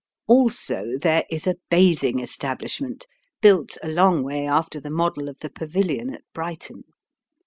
Also there is a "bathing establishment" built a long way after the model of the Pavilion at Brighton.